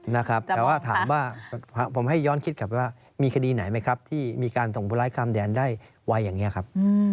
แต่ว่าถามว่าผมให้ย้อนคิดกลับไปว่ามีคดีไหนไหมครับที่มีการส่งผู้ร้ายข้ามแดนได้ไวอย่างนี้ครับ